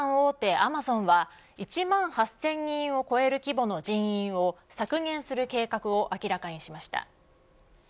アマゾンは１万８０００人を超える規模の人員を削減する計画を明らかにしました。